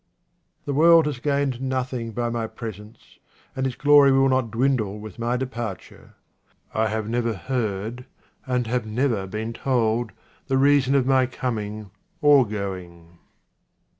This world has gained nothing by my presence and its glory will not dwindle with my depar ture. I have never heard, and have never been told, the reason of my coming or going.